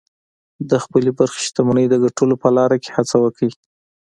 د خپلې برخې شتمنۍ د ګټلو په لاره کې هڅه وکړئ